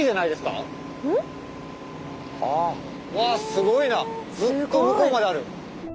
すごいなずっと向こうまである。